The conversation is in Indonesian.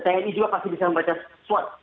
tni juga pasti bisa membaca swab